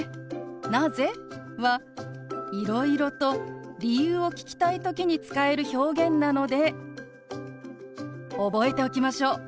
「なぜ？」はいろいろと理由を聞きたい時に使える表現なので覚えておきましょう。